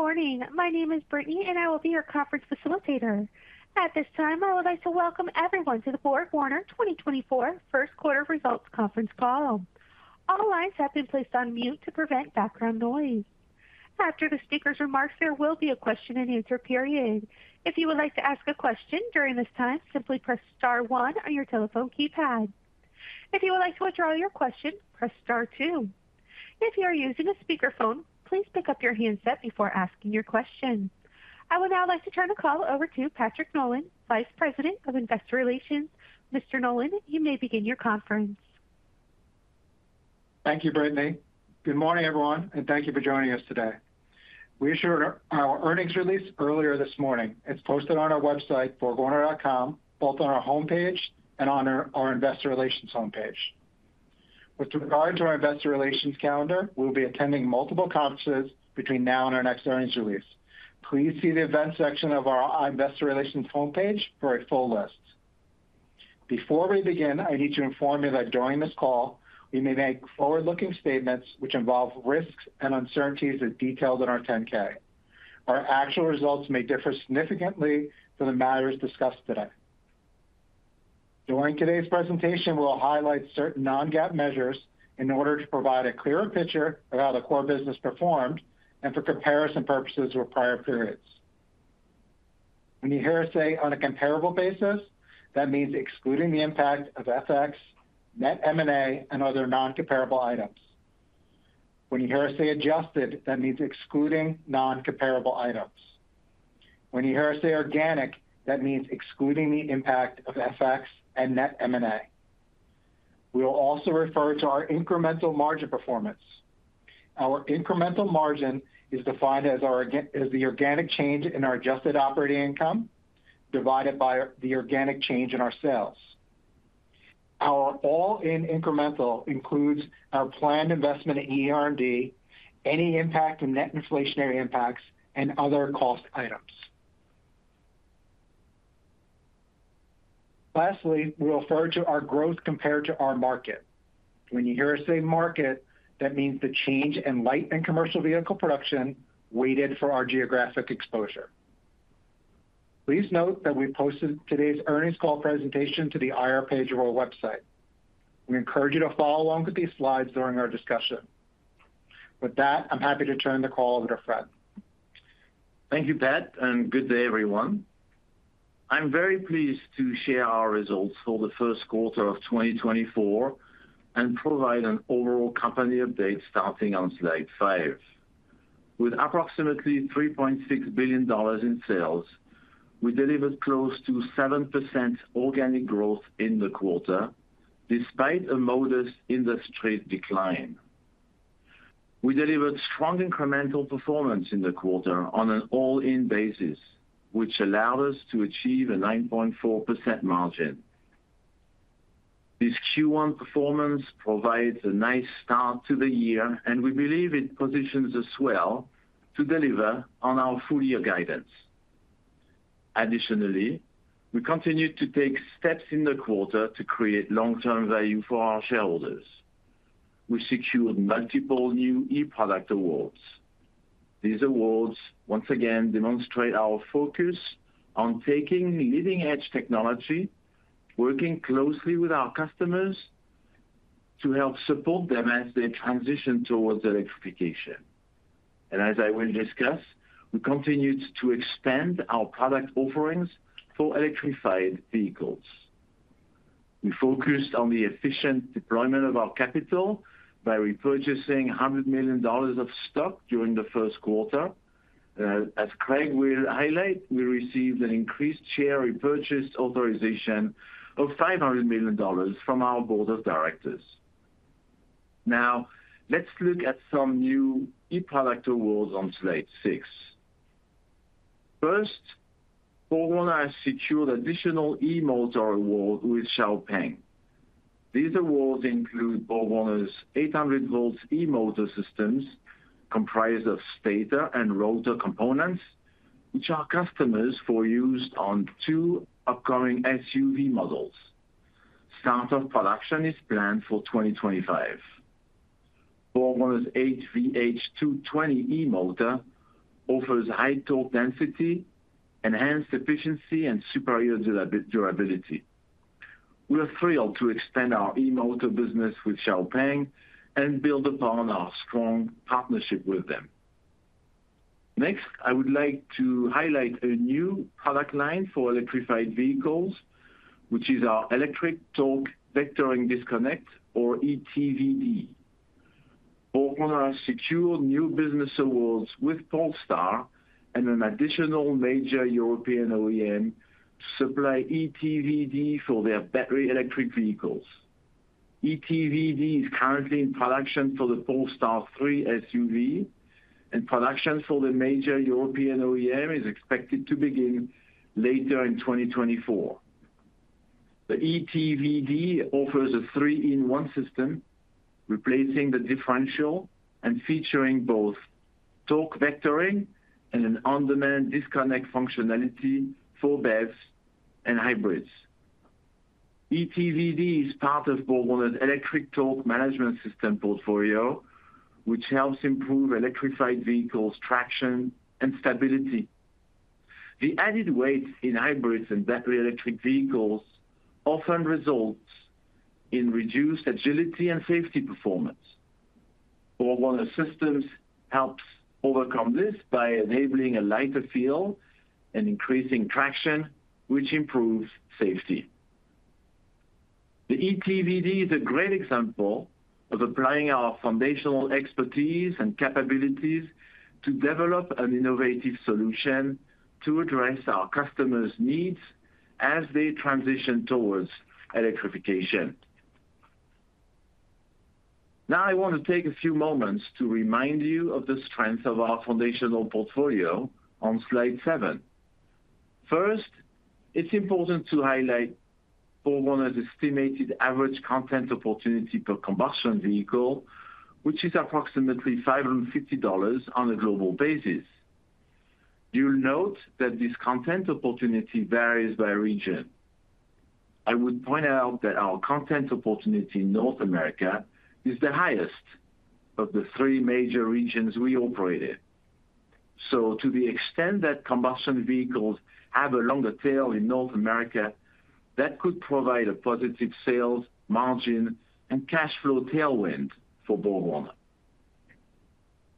Good morning! My name is Brittany, and I will be your conference facilitator. At this time, I would like to welcome everyone to the BorgWarner 2024 first quarter results conference call. All lines have been placed on mute to prevent background noise. After the speaker's remarks, there will be a question and answer period. If you would like to ask a question during this time, simply press star one on your telephone keypad. If you would like to withdraw your question, press star two. If you are using a speakerphone, please pick up your handset before asking your question. I would now like to turn the call over to Patrick Nolan, Vice President of Investor Relations. Mr. Nolan, you may begin your conference. Thank you, Brittany. Good morning, everyone, and thank you for joining us today. We issued our earnings release earlier this morning. It's posted on our website, BorgWarner.com, both on our homepage and on our investor relations homepage. With regard to our investor relations calendar, we'll be attending multiple conferences between now and our next earnings release. Please see the event section of our investor relations homepage for a full list. Before we begin, I need to inform you that during this call, we may make forward-looking statements which involve risks and uncertainties as detailed in our 10-K. Our actual results may differ significantly from the matters discussed today. During today's presentation, we'll highlight certain non-GAAP measures in order to provide a clearer picture of how the core business performed and for comparison purposes with prior periods. When you hear us say, "On a comparable basis," that means excluding the impact of FX, net M&A, and other non-comparable items. When you hear us say, "Adjusted," that means excluding non-comparable items. When you hear us say, "Organic," that means excluding the impact of FX and net M&A. We will also refer to our incremental margin performance. Our incremental margin is defined as the organic change in our adjusted operating income, divided by the organic change in our sales. Our all-in incremental includes our planned investment in ER&D, any impact in net inflationary impacts, and other cost items. Lastly, we refer to our growth compared to our market. When you hear us say, "Market," that means the change in light and commercial vehicle production weighted for our geographic exposure. Please note that we posted today's earnings call presentation to the IR page of our website. We encourage you to follow along with these slides during our discussion. With that, I'm happy to turn the call over to Fred. Thank you, Pat, and good day, everyone. I'm very pleased to share our results for the first quarter of 2024 and provide an overall company update starting on Slide five. With approximately $3.6 billion in sales, we delivered close to 7% organic growth in the quarter, despite a modest industry decline. We delivered strong incremental performance in the quarter on an all-in basis, which allowed us to achieve a 9.4% margin. This Q1 performance provides a nice start to the year, and we believe it positions us well to deliver on our full year guidance. Additionally, we continued to take steps in the quarter to create long-term value for our shareholders. We secured multiple new eProduct awards. These awards once again demonstrate our focus on taking leading-edge technology, working closely with our customers to help support them as they transition towards electrification. As I will discuss, we continued to expand our product offerings for electrified vehicles. We focused on the efficient deployment of our capital by repurchasing $100 million of stock during the first quarter. As Craig will highlight, we received an increased share repurchase authorization of $500 million from our board of directors. Now, let's look at some new eProduct awards on Slide six. First, BorgWarner has secured additional eMotor award with XPeng. These awards include BorgWarner's 800-volt eMotor systems, comprised of stator and rotor components, which are customized for use on two upcoming SUV models. Start of production is planned for 2025. BorgWarner's HVH 220 eMotor offers high torque density, enhanced efficiency, and superior durability. We are thrilled to extend our eMotor business with XPeng and build upon our strong partnership with them. Next, I would like to highlight a new product line for electrified vehicles, which is our Electric Torque Vectoring Disconnect or eTVD. BorgWarner secured new business awards with Polestar and an additional major European OEM to supply eTVD for their battery electric vehicles. eTVD is currently in production for the Polestar 3 SUV, and production for the major European OEM is expected to begin later in 2024. The eTVD offers a three-in-one system, replacing the differential and featuring both torque vectoring and an on-demand disconnect functionality for BEVs and hybrids. eTVD is part of BorgWarner's Electric Torque Management System portfolio, which helps improve electrified vehicles' traction and stability. The added weight in hybrids and battery electric vehicles often results in reduced agility and safety performance. BorgWarner systems helps overcome this by enabling a lighter feel and increasing traction, which improves safety. The eTVD is a great example of applying our foundational expertise and capabilities to develop an innovative solution to address our customers' needs as they transition towards electrification. Now, I want to take a few moments to remind you of the strength of our foundational portfolio on Slide seven. First, it's important to highlight BorgWarner's estimated average content opportunity per combustion vehicle, which is approximately $550 on a global basis. You'll note that this content opportunity varies by region. I would point out that our content opportunity in North America is the highest of the three major regions we operate in. So to the extent that combustion vehicles have a longer tail in North America, that could provide a positive sales, margin, and cash flow tailwind for BorgWarner.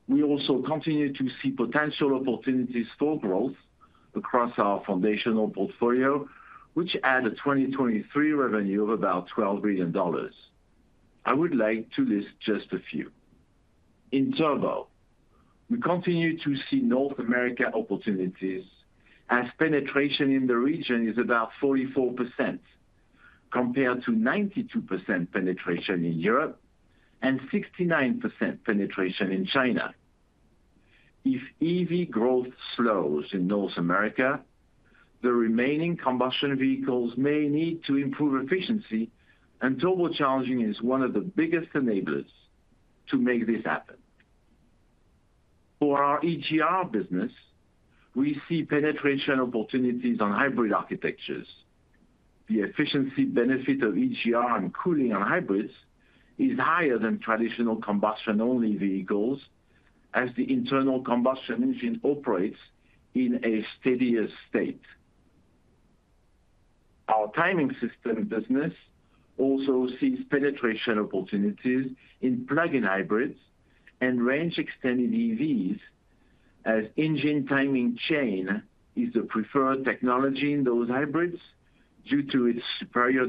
We also continue to see potential opportunities for growth across our Foundational Portfolio, which had a 2023 revenue of about $12 billion. I would like to list just a few. In turbo, we continue to see North America opportunities as penetration in the region is about 44%, compared to 92% penetration in Europe and 69% penetration in China. If EV growth slows in North America, the remaining combustion vehicles may need to improve efficiency, and turbocharging is one of the biggest enablers to make this happen. For our EGR business, we see penetration opportunities on hybrid architectures. The efficiency benefit of EGR and cooling on hybrids is higher than traditional combustion-only vehicles, as the internal combustion engine operates in a steadier state. Our timing system business also sees penetration opportunities in plug-in hybrids and range-extending EVs, as engine timing chain is the preferred technology in those hybrids due to its superior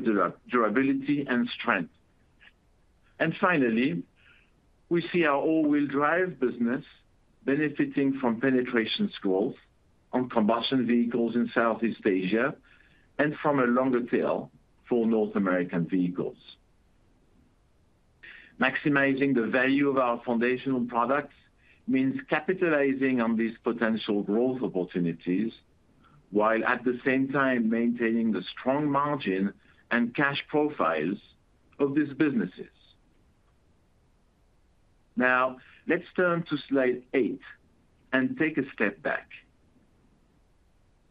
durability and strength. And finally, we see our all-wheel drive business benefiting from penetration growth on combustion vehicles in Southeast Asia and from a longer tail for North American vehicles. Maximizing the value of our foundational products means capitalizing on these potential growth opportunities, while at the same time maintaining the strong margin and cash profiles of these businesses. Now, let's turn to Slide eight and take a step back.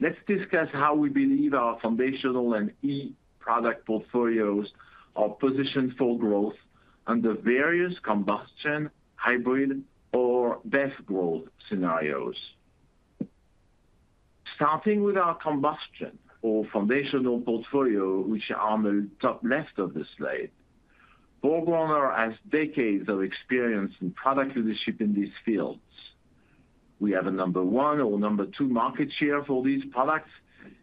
Let's discuss how we believe our foundational and eProduct portfolios are positioned for growth under various combustion, hybrid, or BEV growth scenarios. Starting with our combustion or foundational portfolio, which are on the top left of the slide, BorgWarner has decades of experience in product leadership in these fields. We have a number-one or number-two market share for these products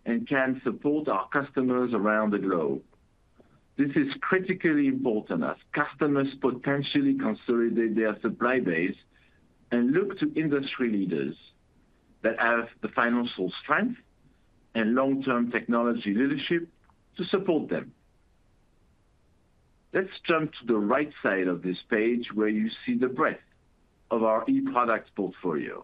and can support our customers around the globe. This is critically important as customers potentially consolidate their supply base and look to industry leaders that have the financial strength and long-term technology leadership to support them. Let's jump to the right side of this page, where you see the breadth of our eProduct portfolio.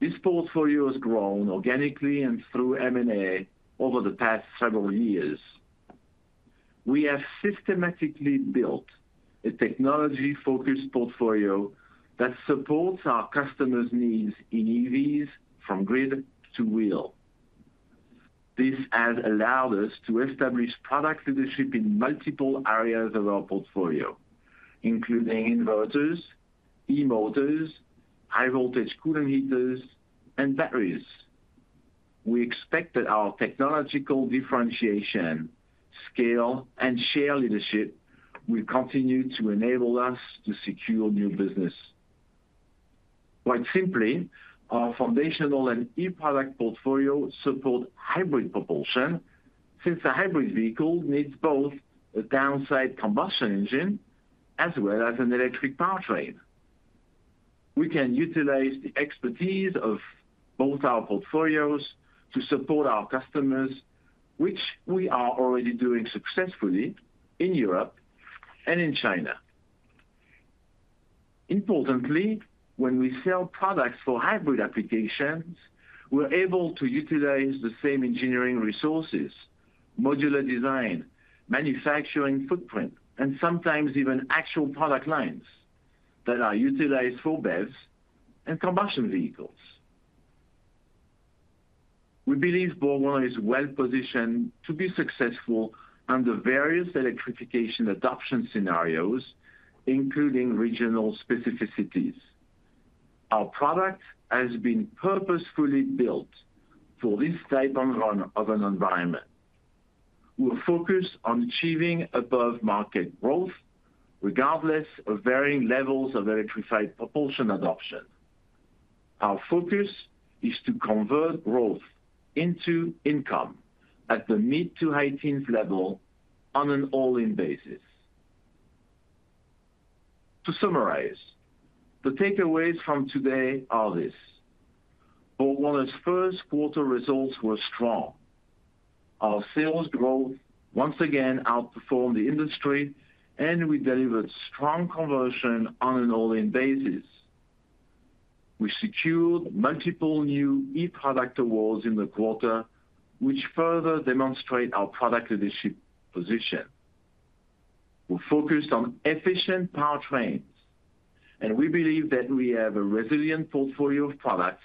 This portfolio has grown organically and through M&A over the past several years. We have systematically built a technology-focused portfolio that supports our customers' needs in EVs from grid to wheel. This has allowed us to establish product leadership in multiple areas of our portfolio, including inverters, eMotors, high-voltage coolant heaters, and batteries. We expect that our technological differentiation, scale, and share leadership will continue to enable us to secure new business. Quite simply, our Foundational and eProduct portfolio supports hybrid propulsion, since a hybrid vehicle needs both a downsized combustion engine as well as an electric powertrain. We can utilize the expertise of both our portfolios to support our customers, which we are already doing successfully in Europe and in China. Importantly, when we sell products for hybrid applications, we're able to utilize the same engineering resources, modular design, manufacturing footprint, and sometimes even actual product lines that are utilized for BEVs and combustion vehicles. We believe BorgWarner is well positioned to be successful under various electrification adoption scenarios, including regional specificities. Our product has been purposefully built for this type of an environment. We're focused on achieving above-market growth, regardless of varying levels of electrified propulsion adoption. Our focus is to convert growth into income at the mid- to high-teens level on an all-in basis. To summarize, the takeaways from today are this, BorgWarner's first quarter results were strong. Our sales growth once again outperformed the industry, and we delivered strong conversion on an all-in basis. We secured multiple new eProduct awards in the quarter, which further demonstrate our product leadership position. We're focused on efficient powertrains, and we believe that we have a resilient portfolio of products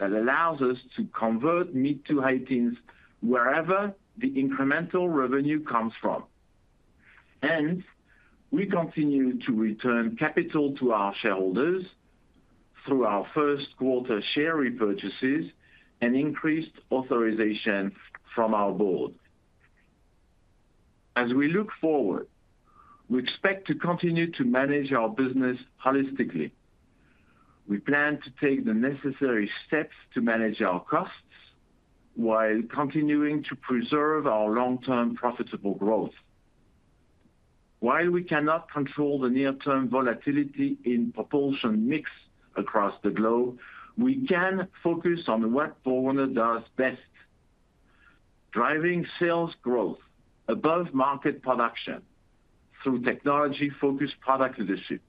that allows us to convert mid to high teens wherever the incremental revenue comes from. And we continue to return capital to our shareholders through our first quarter share repurchases and increased authorization from our board. As we look forward, we expect to continue to manage our business holistically. We plan to take the necessary steps to manage our costs while continuing to preserve our long-term profitable growth. While we cannot control the near-term volatility in propulsion mix across the globe, we can focus on what BorgWarner does best, driving sales growth above market production through technology-focused product leadership,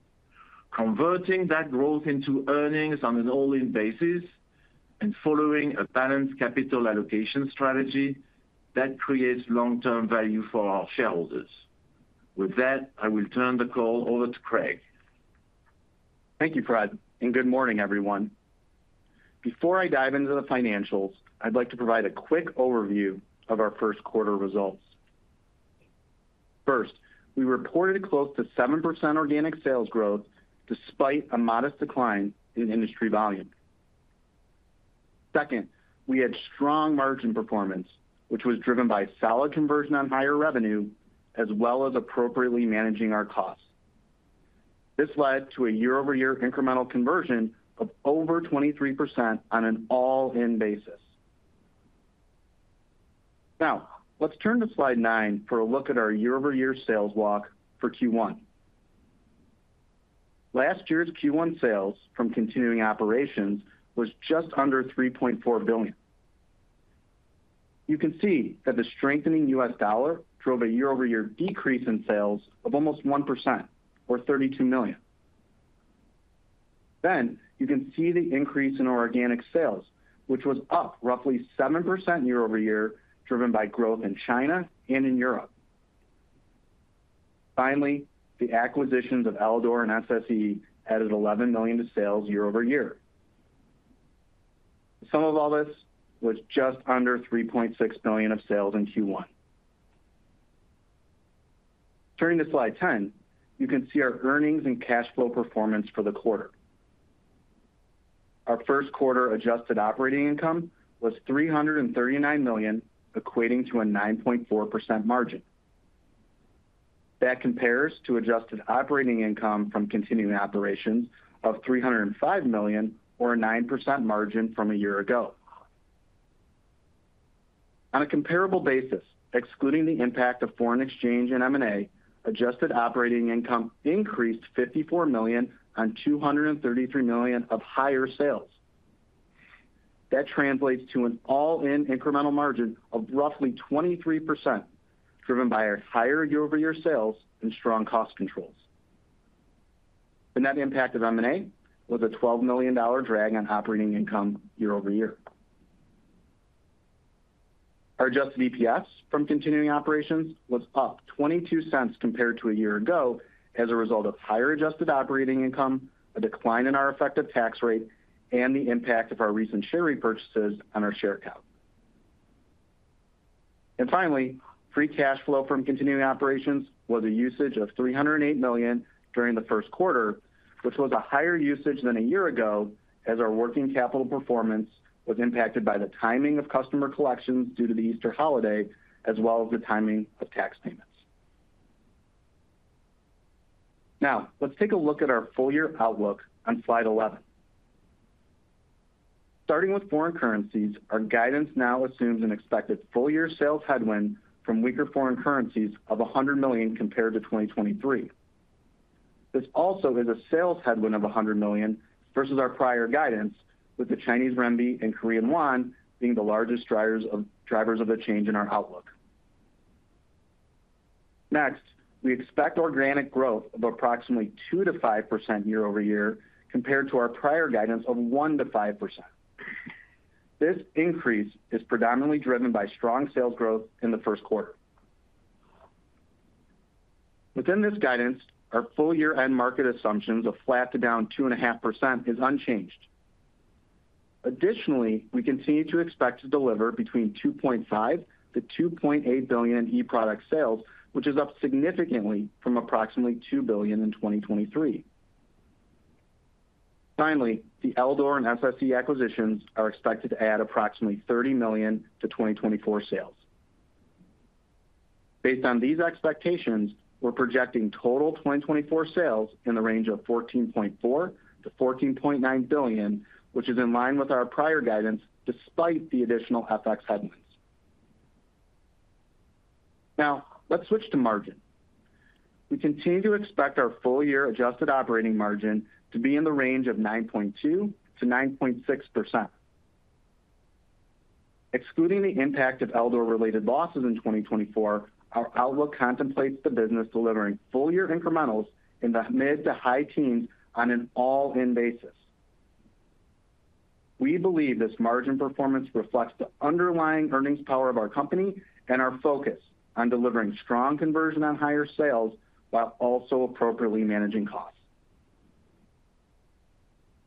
converting that growth into earnings on an all-in basis, and following a balanced capital allocation strategy that creates long-term value for our shareholders. With that, I will turn the call over to Craig. Thank you, Fred, and good morning, everyone. Before I dive into the financials, I'd like to provide a quick overview of our first quarter results. First, we reported close to 7% organic sales growth, despite a modest decline in industry volume. Second, we had strong margin performance, which was driven by solid conversion on higher revenue, as well as appropriately managing our costs. This led to a year-over-year incremental conversion of over 23% on an all-in basis. Now, let's turn to Slide nine for a look at our year-over-year sales walk for Q1. Last year's Q1 sales from continuing operations was just under $3.4 billion. You can see that the strengthening U.S. dollar drove a year-over-year decrease in sales of almost 1% or $32 million. Then you can see the increase in organic sales, which was up roughly 7% year-over-year, driven by growth in China and in Europe. Finally, the acquisitions of Eldor and SSE added $11 million to sales year-over-year. The sum of all this was just under $3.6 billion of sales in Q1. Turning to Slide 10, you can see our earnings and cash flow performance for the quarter. Our first quarter adjusted operating income was $339 million, equating to a 9.4% margin. That compares to adjusted operating income from continuing operations of $305 million or a 9% margin from a year ago. On a comparable basis, excluding the impact of foreign exchange and M&A, adjusted operating income increased $54 million on $233 million of higher sales. That translates to an all-in incremental margin of roughly 23%, driven by our higher year-over-year sales and strong cost controls. The net impact of M&A was a $12 million drag on operating income year-over-year. Our adjusted EPS from continuing operations was up $0.22 compared to a year ago, as a result of higher adjusted operating income, a decline in our effective tax rate, and the impact of our recent share repurchases on our share count. And finally, free cash flow from continuing operations was a usage of $308 million during the first quarter, which was a higher usage than a year ago, as our working capital performance was impacted by the timing of customer collections due to the Easter holiday, as well as the timing of tax payments. Now, let's take a look at our full-year outlook on Slide 11. Starting with foreign currencies, our guidance now assumes an expected full-year sales headwind from weaker foreign currencies of $100 million compared to 2023. This also is a sales headwind of $100 million versus our prior guidance, with the Chinese renminbi and Korean won being the largest drivers of the change in our outlook. Next, we expect organic growth of approximately 2%-5% year-over-year compared to our prior guidance of 1%-5%. This increase is predominantly driven by strong sales growth in the first quarter. Within this guidance, our full-year end market assumptions of flat to down 2.5% is unchanged. Additionally, we continue to expect to deliver between $2.5 billion-$2.8 billion in eProduct sales, which is up significantly from approximately $2 billion in 2023. Finally, the Eldor and SSE acquisitions are expected to add approximately $30 million to 2024 sales. Based on these expectations, we're projecting total 2024 sales in the range of $14.4 billion-$14.9 billion, which is in line with our prior guidance, despite the additional FX headwinds. Now, let's switch to margin. We continue to expect our full-year adjusted operating margin to be in the range of 9.2%-9.6%. Excluding the impact of Eldor-related losses in 2024, our outlook contemplates the business delivering full-year incrementals in the mid to high teens on an all-in basis. We believe this margin performance reflects the underlying earnings power of our company and our focus on delivering strong conversion on higher sales, while also appropriately managing costs.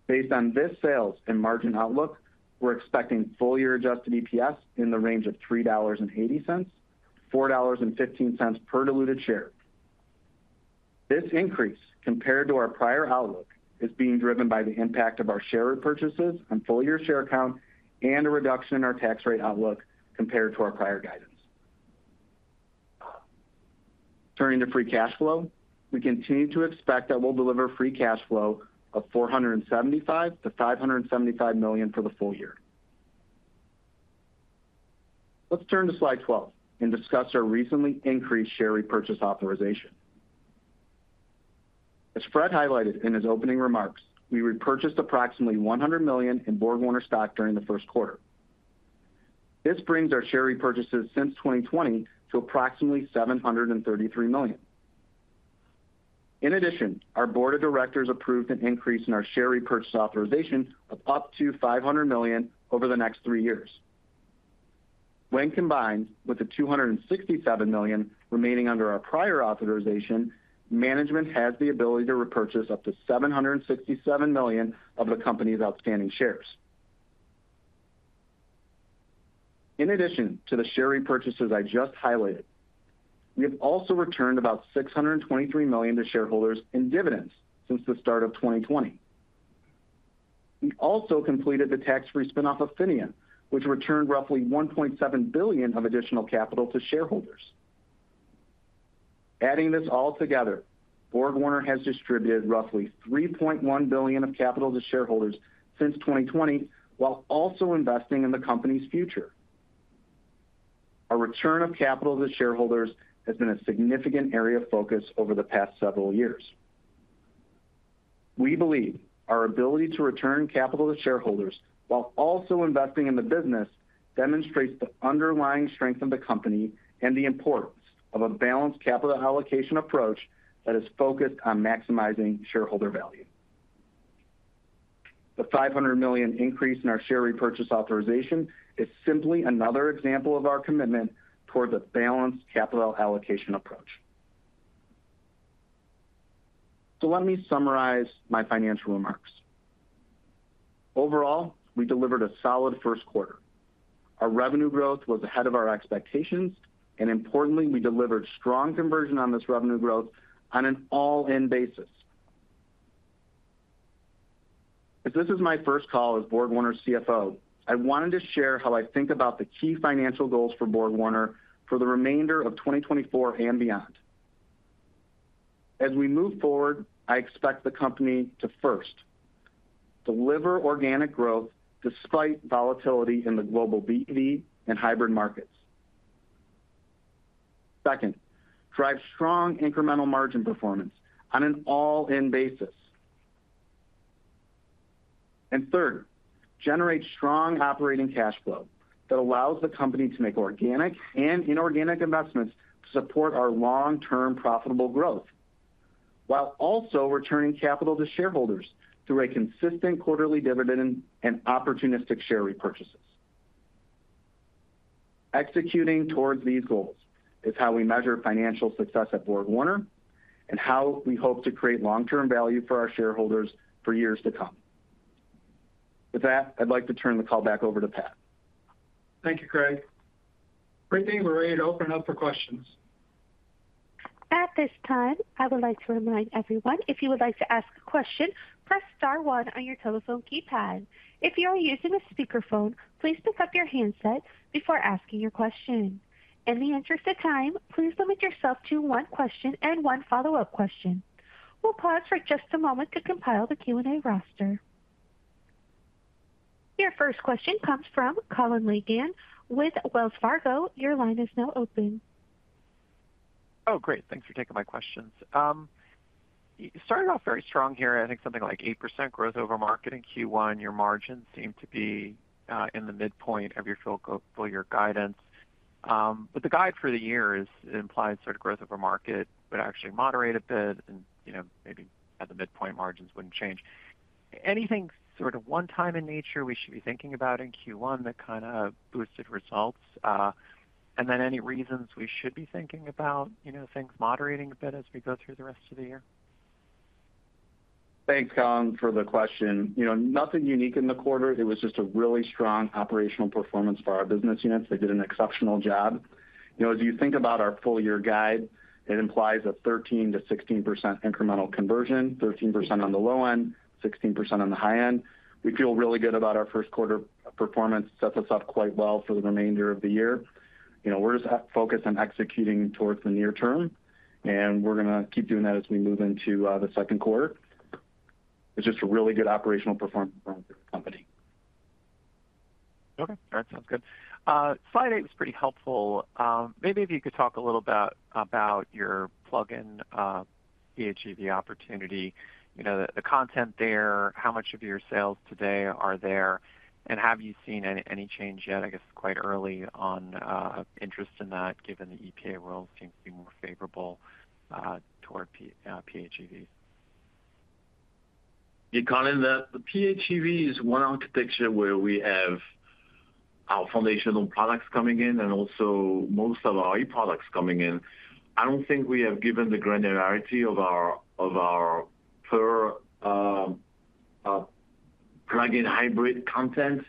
Based on this sales and margin outlook, we're expecting full-year adjusted EPS in the range of $3.80-$4.15 per diluted share. This increase, compared to our prior outlook, is being driven by the impact of our share repurchases on full-year share count and a reduction in our tax rate outlook compared to our prior guidance. Turning to free cash flow, we continue to expect that we'll deliver free cash flow of $475 million-$575 million for the full year. Let's turn to Slide 12 and discuss our recently increased share repurchase authorization. As Fred highlighted in his opening remarks, we repurchased approximately $100 million in BorgWarner stock during the first quarter. This brings our share repurchases since 2020 to approximately $733 million. In addition, our board of directors approved an increase in our share repurchase authorization of up to $500 million over the next three years. When combined with the $267 million remaining under our prior authorization, management has the ability to repurchase up to $767 million of the company's outstanding shares. In addition to the share repurchases I just highlighted, we have also returned about $623 million to shareholders in dividends since the start of 2020. We also completed the tax-free spin-off of PHINIA, which returned roughly $1.7 billion of additional capital to shareholders. Adding this all together, BorgWarner has distributed roughly $3.1 billion of capital to shareholders since 2020, while also investing in the company's future. Our return of capital to shareholders has been a significant area of focus over the past several years. We believe our ability to return capital to shareholders while also investing in the business, demonstrates the underlying strength of the company and the importance of a balanced capital allocation approach that is focused on maximizing shareholder value. The $500 million increase in our share repurchase authorization is simply another example of our commitment towards a balanced capital allocation approach. So let me summarize my financial remarks. Overall, we delivered a solid first quarter. Our revenue growth was ahead of our expectations, and importantly, we delivered strong conversion on this revenue growth on an all-in basis. As this is my first call as BorgWarner's CFO, I wanted to share how I think about the key financial goals for BorgWarner for the remainder of 2024 and beyond. As we move forward, I expect the company to, first, deliver organic growth despite volatility in the global BEV and hybrid markets. Second, drive strong incremental margin performance on an all-in basis. And third, generate strong operating cash flow that allows the company to make organic and inorganic investments to support our long-term profitable growth, while also returning capital to shareholders through a consistent quarterly dividend and opportunistic share repurchases. Executing towards these goals is how we measure financial success at BorgWarner, and how we hope to create long-term value for our shareholders for years to come. With that, I'd like to turn the call back over to Pat. Thank you, Craig. Great, we're ready to open up for questions. At this time, I would like to remind everyone, if you would like to ask a question, press star one on your telephone keypad. If you are using a speakerphone, please pick up your handset before asking your question. In the interest of time, please limit yourself to one question and one follow-up question. We'll pause for just a moment to compile the Q&A roster. Your first question comes from Colin Langan with Wells Fargo. Your line is now open. Oh, great! Thanks for taking my questions. You started off very strong here. I think something like 8% growth over market in Q1. Your margins seem to be in the midpoint of your full-year guidance. But the guide for the year implies sort of growth over market, but actually moderate a bit and, you know, maybe at the midpoint, margins wouldn't change. Anything sort of one time in nature we should be thinking about in Q1 that kind of boosted results? And then any reasons we should be thinking about, you know, things moderating a bit as we go through the rest of the year? Thanks, Colin, for the question. You know, nothing unique in the quarter. It was just a really strong operational performance for our business units. They did an exceptional job. You know, as you think about our full-year guide, it implies a 13%-16% incremental conversion, 13% on the low end, 16% on the high end. We feel really good about our first quarter performance, sets us up quite well for the remainder of the year. You know, we're just focused on executing towards the near term, and we're gonna keep doing that as we move into the second quarter. It's just a really good operational performance from the company. Okay, all right, sounds good. Slide eight was pretty helpful. Maybe if you could talk a little about your plug-in PHEV opportunity, you know, the content there, how much of your sales today are there, and have you seen any change yet? I guess it's quite early on, interest in that, given the EPA rules seem to be more favorable toward PHEV. Yeah, Colin, the PHEV is one architecture where we have our foundational products coming in and also most of our eProducts coming in. I don't think we have given the granularity of our per plug-in hybrid content,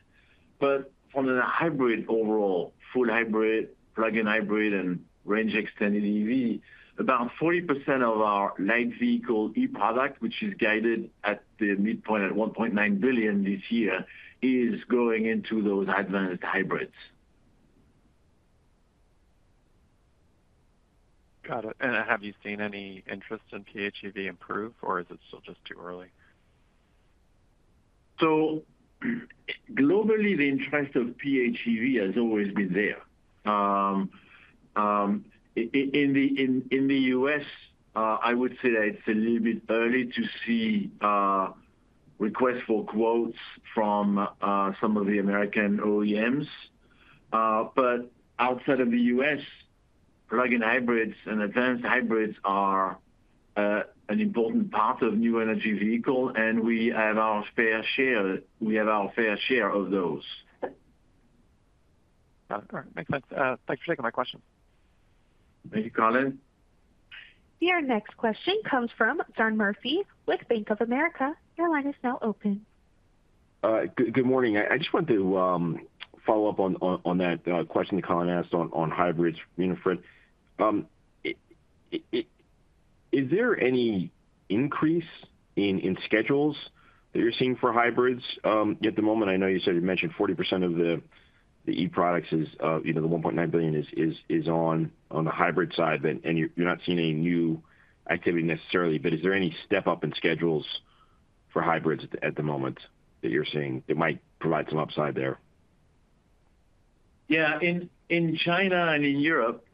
but on the hybrid overall, full hybrid, plug-in hybrid, and range-extended EV, about 40% of our light vehicle eProduct, which is guided at the midpoint at $1.9 billion this year, is going into those advanced hybrids. Got it. And have you seen any interest in PHEV improve, or is it still just too early? So, globally, the interest of PHEV has always been there. In the US, I would say that it's a little bit early to see requests for quotes from some of the American OEMs. But outside of the US, plug-in hybrids and advanced hybrids are an important part of new energy vehicle, and we have our fair share, we have our fair share of those. Got it. Makes sense. Thanks for taking my question. Thank you, Colin. Your next question comes from John Murphy with Bank of America. Your line is now open. Good morning. I just wanted to follow up on that question that Colin asked on hybrids, Fred. Is there any increase in schedules that you're seeing for hybrids? At the moment, I know you said you mentioned 40% of the eProducts is, you know, the $1.9 billion is on the hybrid side, but and you're not seeing any new activity necessarily. But is there any step-up in schedules for hybrids at the moment that you're seeing that might provide some upside there? Yeah. In China and in Europe,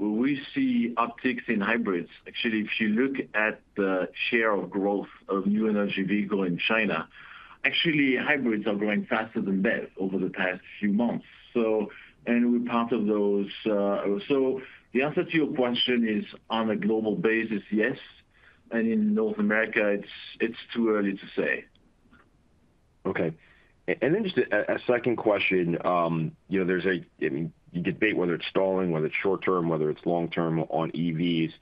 we see upticks in hybrids. Actually, if you look at the share of growth of new energy vehicle in China, actually, hybrids are growing faster than BEV over the past few months. So, and we're part of those. So the answer to your question is, on a global basis, yes, and in North America, it's too early to say. Okay. And then just a second question. You know, there's a debate whether it's stalling, whether it's short term, whether it's long term on EVs.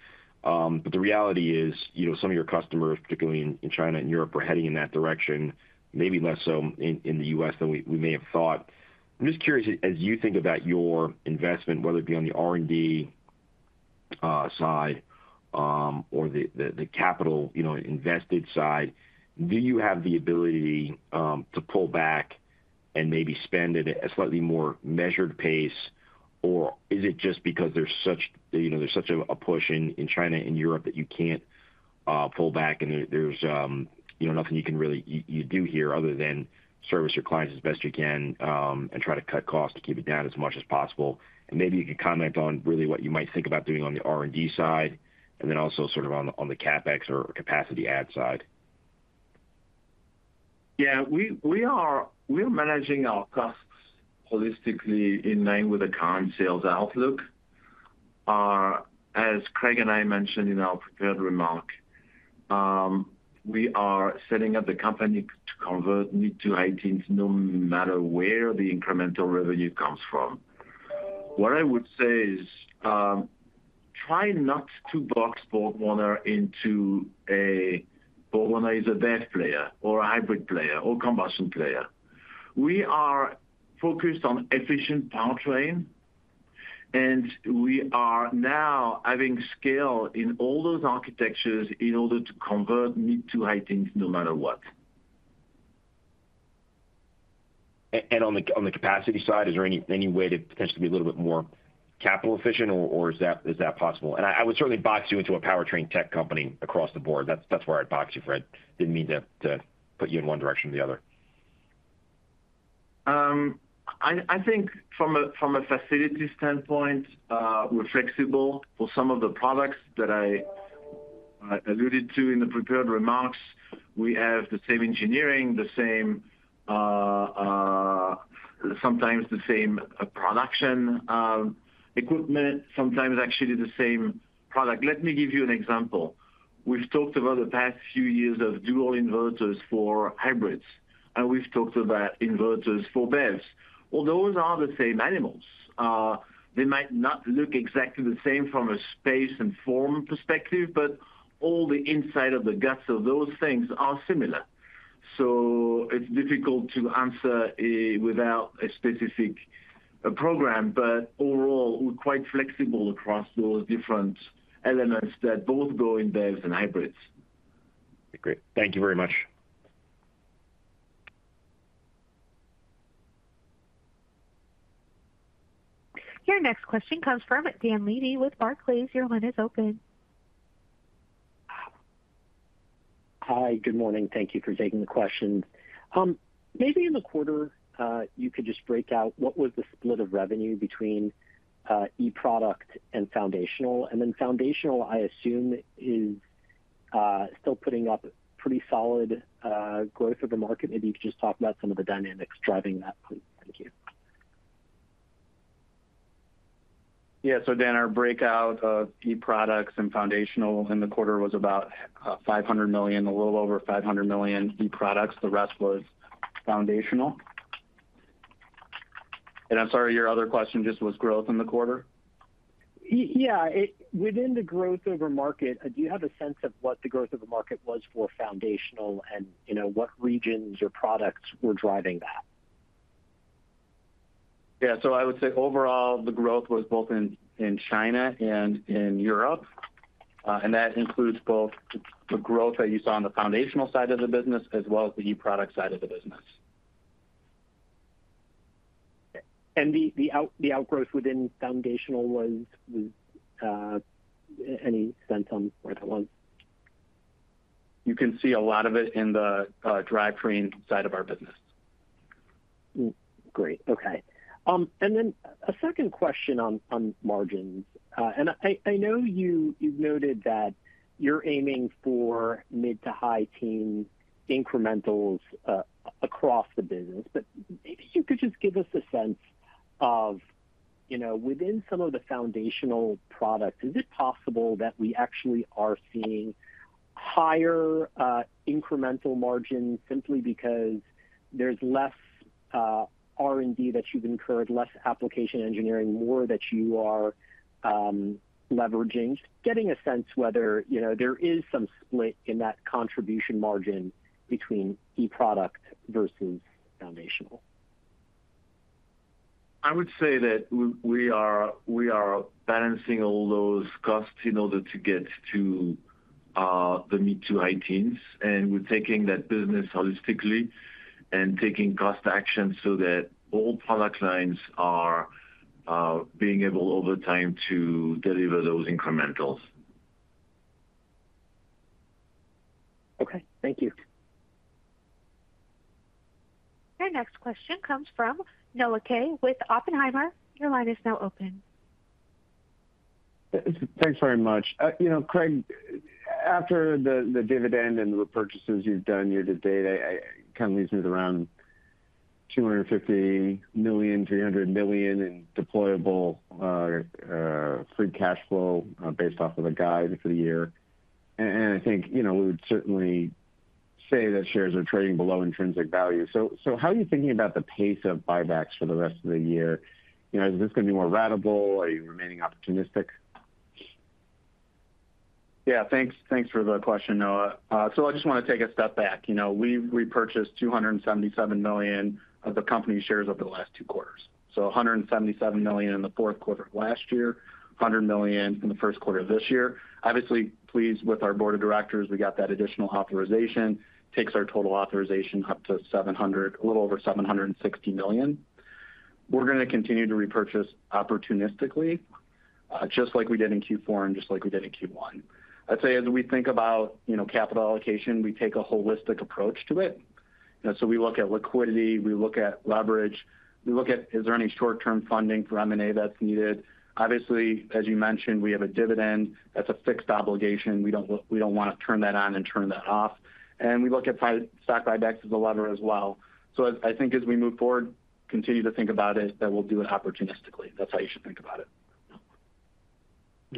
But the reality is, you know, some of your customers, particularly in China and Europe, are heading in that direction, maybe less so in the US than we may have thought. I'm just curious, as you think about your investment, whether it be on the R&D side or the capital invested side, do you have the ability to pull back and maybe spend at a slightly more measured pace? Or is it just because there's such, you know, there's such a push in China and Europe, that you can't pull back and there's, you know, nothing you can really do here other than service your clients as best you can, and try to cut costs to keep it down as much as possible? Maybe you could comment on really what you might think about doing on the R&D side, and then also sort of on the CapEx or capacity add side. Yeah, we are managing our costs holistically in line with the current sales outlook. As Craig and I mentioned in our prepared remark, we are setting up the company to convert mid to high teens, no matter where the incremental revenue comes from. What I would say is, try not to box BorgWarner into a BorgWarner is a BEV player or a hybrid player or combustion player. We are focused on efficient powertrain, and we are now having scale in all those architectures in order to convert mid to high teens, no matter what. And on the capacity side, is there any way to potentially be a little bit more capital efficient, or is that possible? And I would certainly box you into a powertrain tech company across the board. That's where I'd box you, Fred. Didn't mean to put you in one direction or the other. I think from a facility standpoint, we're flexible. For some of the products that I alluded to in the prepared remarks, we have the same engineering, the same, sometimes the same production equipment, sometimes actually the same product. Let me give you an example. We've talked about the past few years of dual inverters for hybrids, and we've talked about inverters for BEVs. Well, those are the same animals. They might not look exactly the same from a space and form perspective, but all the inside of the guts of those things are similar. So it's difficult to answer without a specific program. But overall, we're quite flexible across those different elements that both go in BEVs and hybrids. Great. Thank you very much. Your next question comes from Dan Levy with Barclays. Your line is open. Hi. Good morning. Thank you for taking the questions. Maybe in the quarter, you could just break out what was the split of revenue between eProduct and foundational? And then foundational, I assume, is still putting up pretty solid growth of the market. Maybe you could just talk about some of the dynamics driving that, please. Thank you. Yeah. So Dan, our breakout of eProducts and foundational in the quarter was about $500 million, a little over $500 million eProducts. The rest was foundational. And I'm sorry, your other question just was growth in the quarter? Yeah. Within the growth over market, do you have a sense of what the growth of the market was for foundational and, you know, what regions or products were driving that? Yeah. So I would say overall, the growth was both in China and in Europe. And that includes both the growth that you saw on the foundational side of the business, as well as the eProduct side of the business. And the outgrowth within Foundational was any sense on where that was? You can see a lot of it in the drivetrain side of our business. Great. Okay. And then a second question on margins. And I know you, you've noted that you're aiming for mid- to high-teens incrementals across the business, but maybe you could just give us a sense of, you know, within some of the foundational products, is it possible that we actually are seeing higher incremental margins simply because there's less R&D that you've incurred, less application engineering, more that you are leveraging? Getting a sense whether, you know, there is some split in that contribution margin between eProduct versus foundational. I would say that we are balancing all those costs in order to get to the mid- to high teens, and we're taking that business holistically and taking cost action so that all product lines are being able over time to deliver those incrementals. Okay, thank you. Your next question comes from Noah Kaye with Oppenheimer. Your line is now open. Thanks very much. You know, Craig, after the dividend and the repurchases you've done year to date, it kind of leaves me with around $250 million-$300 million in deployable free cash flow based off of the guide for the year. And I think, you know, we would certainly say that shares are trading below intrinsic value. So how are you thinking about the pace of buybacks for the rest of the year? You know, is this going to be more ratable? Are you remaining opportunistic? Yeah, thanks. Thanks for the question, Noah. So I just want to take a step back. You know, we've repurchased $277 million of the company shares over the last two quarters, so $177 million in the fourth quarter of last year, $100 million in the first quarter of this year. Obviously, pleased with our board of directors, we got that additional authorization. Takes our total authorization up to $700 million, a little over $760 million. We're gonna continue to repurchase opportunistically, just like we did in Q4 and just like we did in Q1. I'd say, as we think about, you know, capital allocation, we take a holistic approach to it. And so we look at liquidity, we look at leverage, we look at is there any short-term funding for M&A that's needed. Obviously, as you mentioned, we have a dividend. That's a fixed obligation. We don't want to turn that on and turn that off. And we look at stock buybacks as a lever as well. So I think as we move forward, continue to think about it, that we'll do it opportunistically. That's how you should think about it.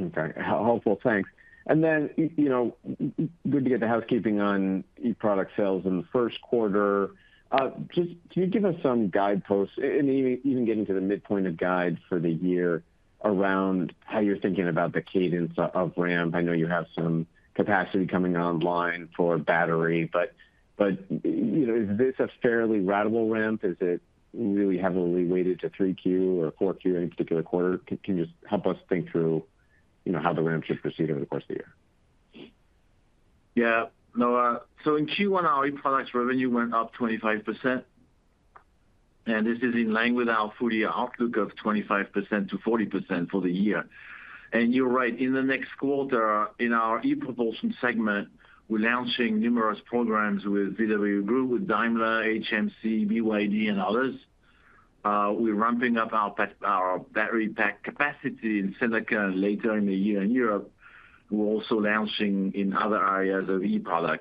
Okay. Helpful. Thanks. And then, you know, good to get the housekeeping on eProduct sales in the first quarter. Just can you give us some guideposts, and even, even getting to the midpoint of guide for the year, around how you're thinking about the cadence of ramp? I know you have some capacity coming online for battery, but, you know, is this a fairly ratable ramp? Is it really heavily weighted to 3Q or 4Q, any particular quarter? Can you just help us think through, you know, how the ramp should proceed over the course of the year? Yeah, Noah. So in Q1, our eProducts revenue went up 25%, and this is in line with our full year outlook of 25%-40% for the year. And you're right, in the next quarter, in our ePropulsion segment, we're launching numerous programs with VW Group, with Daimler, HMC, BYD and others. We're ramping up our battery pack capacity in Seneca and later in the year in Europe. We're also launching in other areas of eProducts.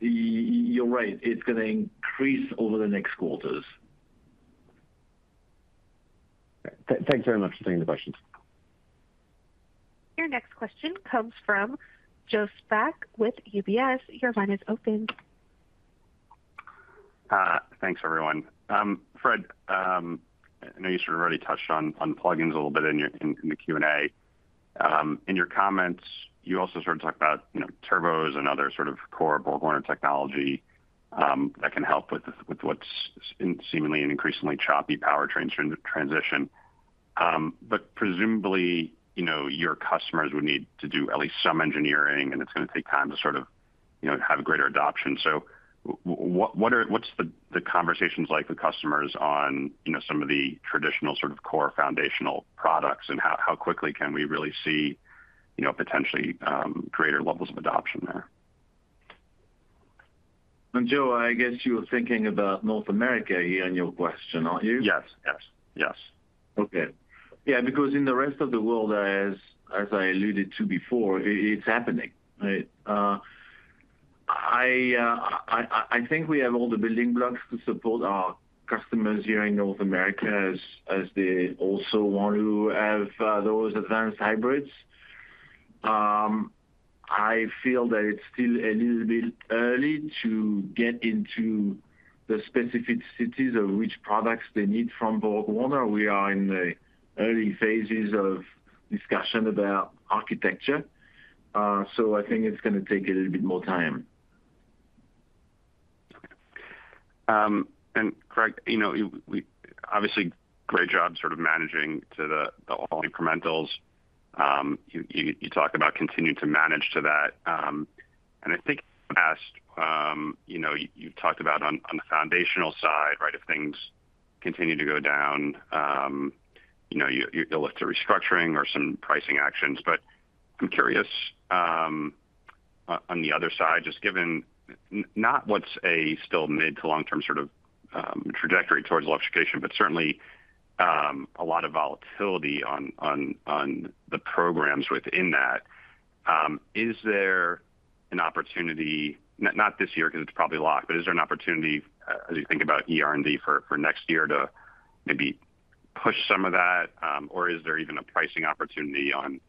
So, you're right, it's gonna increase over the next quarters. Thanks very much for taking the questions. Your next question comes from Joe Spak with UBS. Your line is open. Thanks, everyone. Fred, I know you sort of already touched on plugins a little bit in the Q&A. In your comments, you also sort of talked about, you know, turbos and other sort of core BorgWarner technology that can help with what's seemingly an increasingly choppy powertrain transition. But presumably, you know, your customers would need to do at least some engineering, and it's gonna take time to sort of, you know, have a greater adoption. So what are the conversations like with customers on, you know, some of the traditional sort of core foundational products, and how quickly can we really see, you know, potentially greater levels of adoption there? And Joe, I guess you were thinking about North America here in your question, aren't you? Yes, yes. Yes. Okay. Yeah, because in the rest of the world, as I alluded to before, it, it's happening, right? I think we have all the building blocks to support our customers here in North America as they also want to have those advanced hybrids. I feel that it's still a little bit early to get into the specificities of which products they need from BorgWarner. We are in the early phases of discussion about architecture, so I think it's gonna take a little bit more time. Okay. And Craig, you know, we obviously great job sort of managing to the all incrementals. You talked about continuing to manage to that. And I think in the past, you know, you talked about on the foundational side, right, if things continue to go down, you know, you'll look to restructuring or some pricing actions. But I'm curious, on the other side, just given not what's still a mid- to long-term sort of trajectory towards electrification, but certainly a lot of volatility on the programs within that, is there an opportunity, not this year, because it's probably locked, but is there an opportunity as you think about R&D for next year to maybe push some of that? Or is there even a pricing opportunity on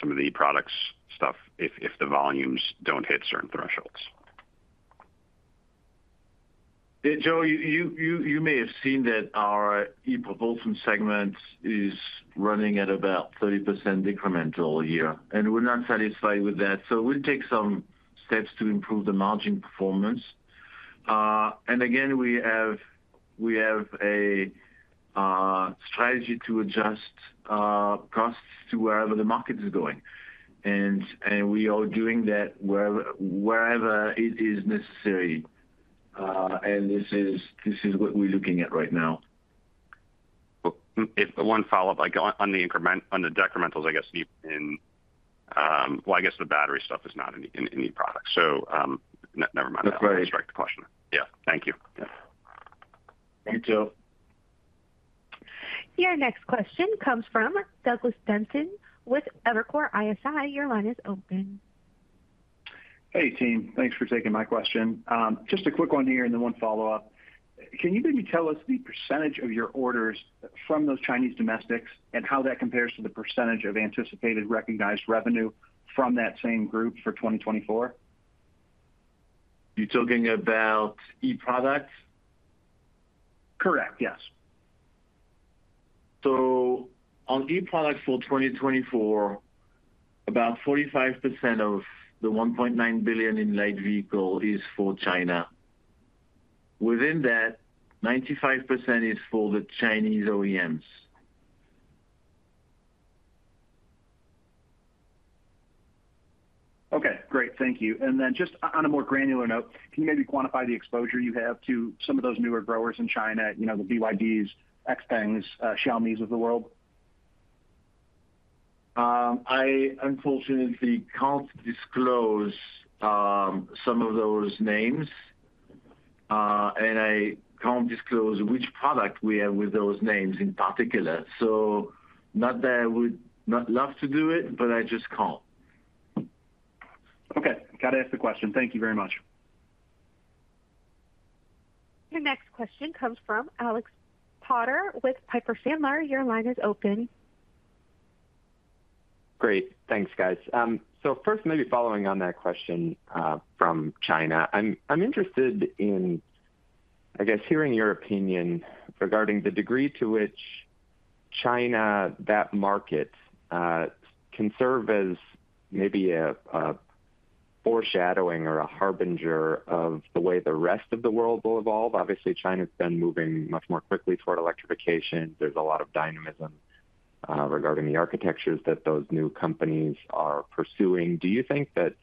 some of the products stuff if the volumes don't hit certain thresholds? Yeah, Joe, you may have seen that our ePropulsion segment is running at about 30% incremental year, and we're not satisfied with that, so we'll take some steps to improve the margin performance. And again, we have a strategy to adjust costs to wherever the market is going, and we are doing that wherever it is necessary. And this is what we're looking at right now. If one follow-up, like, on the incrementals on the decrementals, I guess the battery stuff is not in eProducts, so never mind. That's right. I retract the question. Yeah. Thank you. Yeah. Thank you, Joe. Your next question comes from Douglas Benton with Evercore ISI. Your line is open. Hey, team. Thanks for taking my question. Just a quick one here and then one follow-up. Can you maybe tell us the percentage of your orders from those Chinese domestics and how that compares to the percentage of anticipated recognized revenue from that same group for 2024? You're talking about eProducts? Correct. Yes. So on eProducts for 2024, about 45% of the $1.9 billion in light vehicle is for China. Within that, 95% is for the Chinese OEMs. Okay, great. Thank you. And then just on a more granular note, can you maybe quantify the exposure you have to some of those newer growers in China? You know, the BYDs, Xpengs, Xiaomis of the world. I unfortunately can't disclose some of those names, and I can't disclose which product we have with those names in particular. So not that I would not love to do it, but I just can't. Okay. Gotta ask the question. Thank you very much. Your next question comes from Alex Potter with Piper Sandler. Your line is open. Great. Thanks, guys. So first, maybe following on that question from China, I'm interested in, I guess, hearing your opinion regarding the degree to which China, that market, can serve as maybe a foreshadowing or a harbinger of the way the rest of the world will evolve. Obviously, China's been moving much more quickly toward electrification. There's a lot of dynamism regarding the architectures that those new companies are pursuing. Do you think that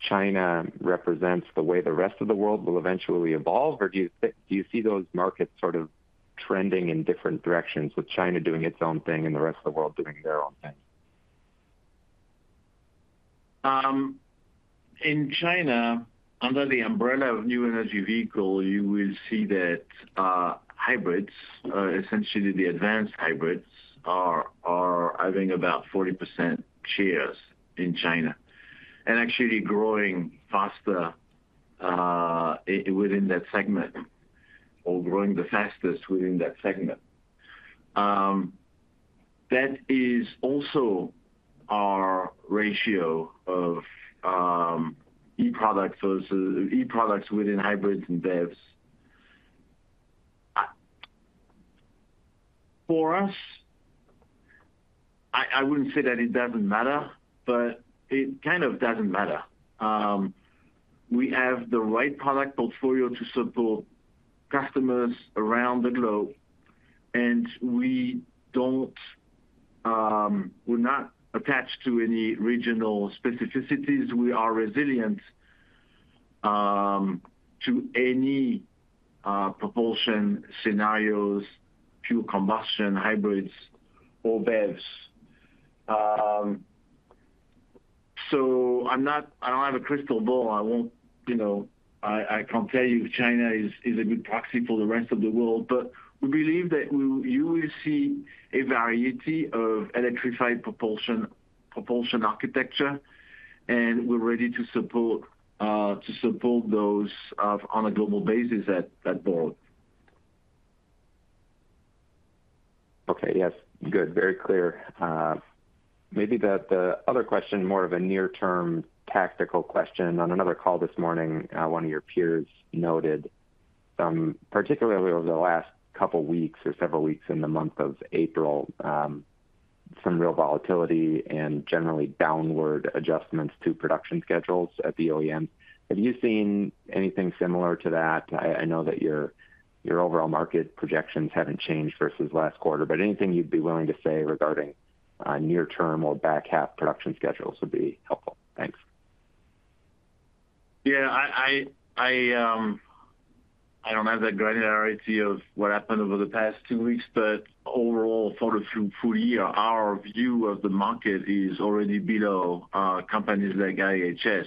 China represents the way the rest of the world will eventually evolve, or do you see those markets sort of trending in different directions with China doing its own thing and the rest of the world doing their own thing? In China, under the umbrella of new energy vehicle, you will see that, hybrids, essentially the advanced hybrids are having about 40% shares in China, and actually growing faster within that segment, or growing the fastest within that segment. That is also our ratio of eProducts versus eProducts within hybrids and BEVs. For us, I wouldn't say that it doesn't matter, but it kind of doesn't matter. We have the right product portfolio to support customers around the globe, and we don't, we're not attached to any regional specificities. We are resilient to any propulsion scenarios, pure combustion, hybrids, or BEVs. So I'm not. I don't have a crystal ball. I won't, you know, I can't tell you China is a good proxy for the rest of the world, but we believe that you will see a variety of electrified propulsion architecture, and we're ready to support those on a global basis at both. Okay. Yes, good. Very clear. Maybe the other question, more of a near-term tactical question. On another call this morning, one of your peers noted, particularly over the last couple weeks or several weeks in the month of April, some real volatility and generally downward adjustments to production schedules at the OEMs. Have you seen anything similar to that? I know that your overall market projections haven't changed versus last quarter, but anything you'd be willing to say regarding near-term or back-half production schedules would be helpful. Thanks. Yeah, I don't have the granularity of what happened over the past two weeks, but overall, for the full year, our view of the market is already below companies like IHS.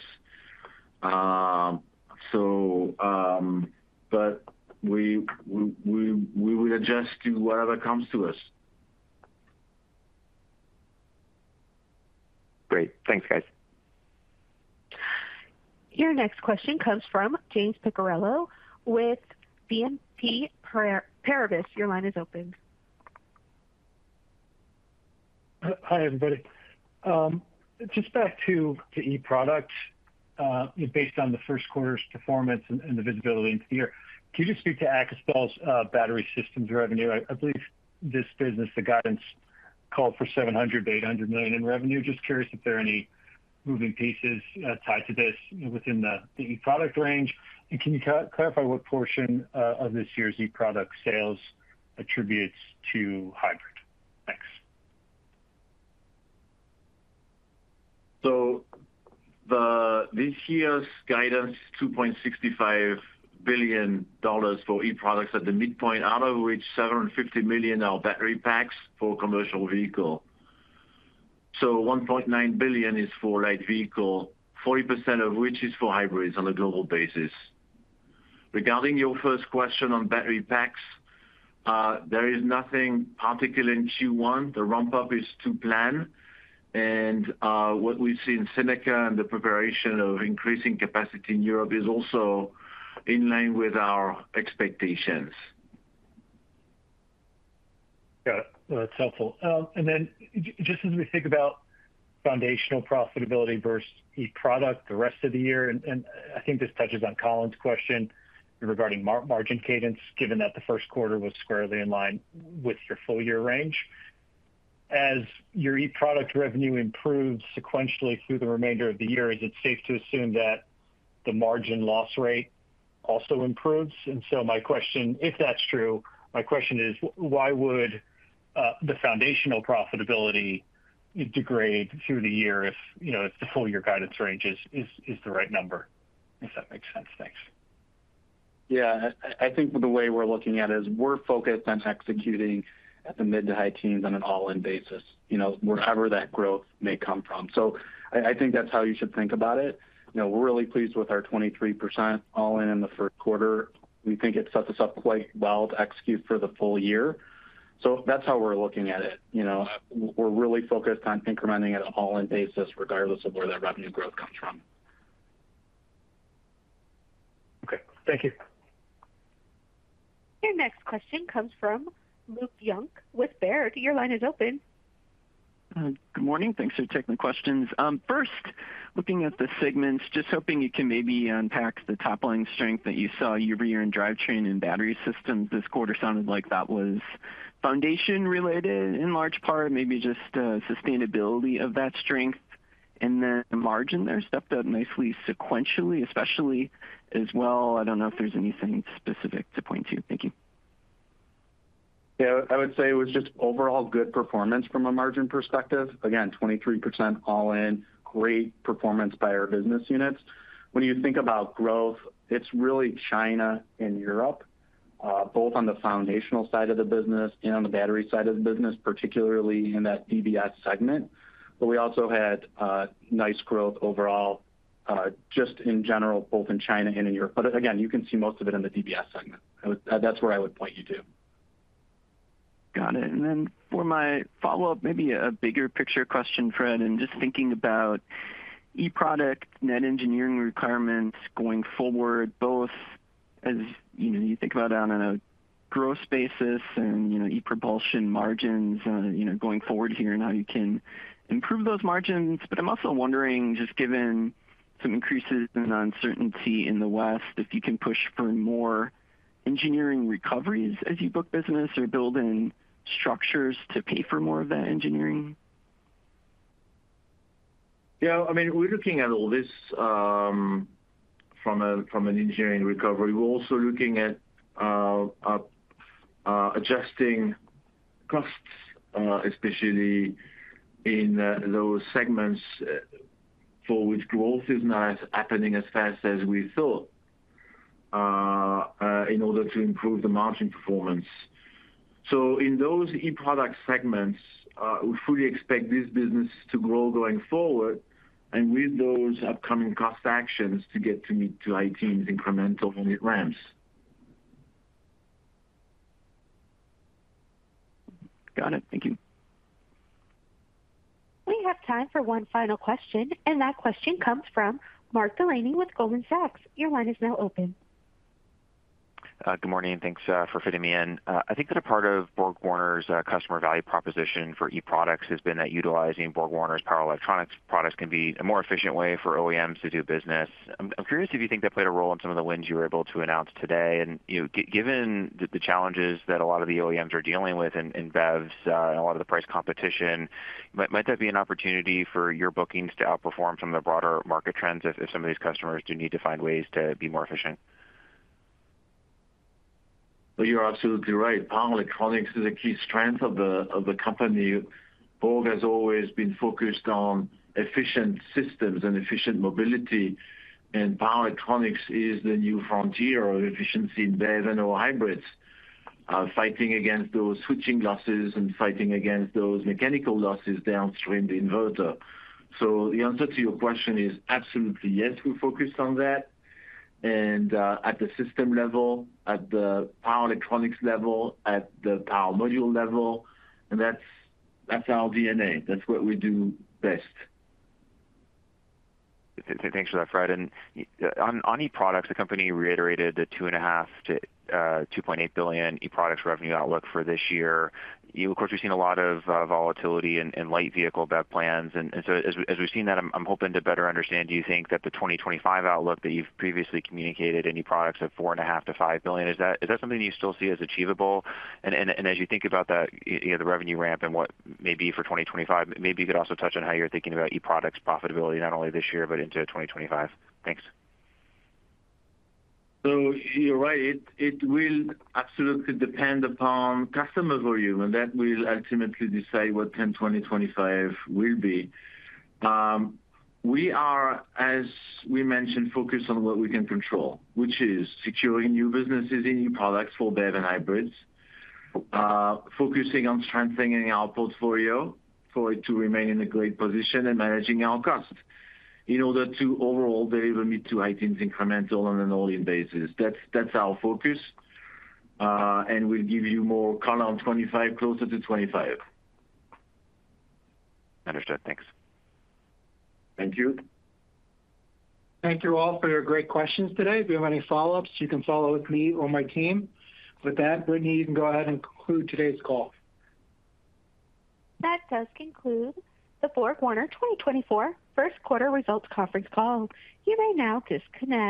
But we will adjust to whatever comes to us. Great. Thanks, guys. Your next question comes from James Picariello with BNP Paribas. Your line is open. Hi, everybody. Just back to eProducts, based on the first quarter's performance and the visibility into the year. Could you just speak to our battery systems revenue? I believe this business, the guidance called for $700 million-$800 million in revenue. Just curious if there are any moving pieces tied to this within the eProduct range. And can you clarify what portion of this year's eProduct sales attributes to hybrid? Thanks. So this year's guidance, $2.65 billion for eProducts at the midpoint, out of which $750 million are battery packs for commercial vehicle. So $1.9 billion is for light vehicle, 40% of which is for hybrids on a global basis. Regarding your first question on battery packs, there is nothing particular in Q1. The ramp-up is to plan, and what we see in Seneca and the preparation of increasing capacity in Europe is also in line with our expectations. Yeah. Well, that's helpful. And then just as we think about foundational profitability versus eProduct the rest of the year, and I think this touches on Colin's question regarding margin cadence, given that the first quarter was squarely in line with your full-year range. As your eProduct revenue improves sequentially through the remainder of the year, is it safe to assume that the margin loss rate also improves? And so my question, if that's true, my question is, why would the foundational profitability degrade through the year if, you know, if the full-year guidance range is the right number? If that makes sense. Thanks. Yeah. I think the way we're looking at it is we're focused on executing at the mid to high teens on an all-in basis, you know, wherever that growth may come from. So I think that's how you should think about it. You know, we're really pleased with our 23% all-in in the first quarter. We think it sets us up quite well to execute for the full year. So that's how we're looking at it. You know, we're really focused on incrementing at an all-in basis, regardless of where that revenue growth comes from. Okay. Thank you. Your next question comes from Luke Junk with Baird. Your line is open. Good morning. Thanks for taking the questions. First, looking at the segments, just hoping you can maybe unpack the top-line strength that you saw year-over-year in drivetrain and battery systems. This quarter sounded like that was foundational related in large part, maybe just, sustainability of that strength. Then the margin there stepped up nicely sequentially, especially as well. I don't know if there's anything specific to point to. Thank you. Yeah, I would say it was just overall good performance from a margin perspective. Again, 23% all in, great performance by our business units. When you think about growth, it's really China and Europe. both on the foundational side of the business and on the battery side of the business, particularly in that DBS segment. But we also had nice growth overall, just in general, both in China and in Europe. But again, you can see most of it in the DBS segment. I would. That's where I would point you to. Got it. And then for my follow-up, maybe a bigger picture question, Fred, and just thinking about eProduct, net engineering requirements going forward, both as, you know, you think about on a, a growth basis and, you know, epropulsion margins, you know, going forward here, and how you can improve those margins. But I'm also wondering, just given some increases in uncertainty in the West, if you can push for more engineering recoveries as you book business or build in structures to pay for more of that engineering? Yeah, I mean, we're looking at all this from an engineering recovery. We're also looking at adjusting costs, especially in those segments for which growth is not happening as fast as we thought, in order to improve the margin performance. So in those eProduct segments, we fully expect this business to grow going forward and with those upcoming cost actions, to get to mid-to high-teens incremental when it ramps. Got it. Thank you. We have time for one final question, and that question comes from Mark Delaney with Goldman Sachs. Your line is now open. Good morning, and thanks for fitting me in. I think that a part of BorgWarner's customer value proposition for eProducts has been that utilizing BorgWarner's power electronics products can be a more efficient way for OEMs to do business. I'm curious if you think that played a role in some of the wins you were able to announce today. And, you know, given the challenges that a lot of the OEMs are dealing with in BEVs, and a lot of the price competition, might that be an opportunity for your bookings to outperform some of the broader market trends if some of these customers do need to find ways to be more efficient? Well, you're absolutely right. Power electronics is a key strength of the company. Borg has always been focused on efficient systems and efficient mobility, and power electronics is the new frontier of efficiency in BEV and/or hybrids. Fighting against those switching losses and fighting against those mechanical losses downstream the inverter. So the answer to your question is absolutely yes, we're focused on that and, at the system level, at the power electronics level, at the power module level, and that's, that's our DNA. That's what we do best. Thanks for that, Fred. And on eProducts, the company reiterated the $2.5-$2.8 billion eProducts revenue outlook for this year. You know, of course, we've seen a lot of volatility in light vehicle BEV plans, and so as we've seen that, I'm hoping to better understand, do you think that the 2025 outlook that you've previously communicated in eProducts of $4.5-$5 billion is something you still see as achievable? And as you think about that, you know, the revenue ramp and what may be for 2025, maybe you could also touch on how you're thinking about eProducts profitability, not only this year, but into 2025. Thanks. So you're right. It will absolutely depend upon customer volume, and that will ultimately decide what 2025 will be. We are, as we mentioned, focused on what we can control, which is securing new businesses in eProducts for BEV and hybrids. Focusing on strengthening our portfolio for it to remain in a great position and managing our cost in order to overall deliver mid-teens to 18% incremental on an all-in basis. That's our focus, and we'll give you more color on 2025, closer to 2025. Understood. Thanks. Thank you. Thank you all for your great questions today. If you have any follow-ups, you can follow with me or my team. With that, Brittany, you can go ahead and conclude today's call. That does conclude the BorgWarner 2024 first quarter results conference call. You may now disconnect.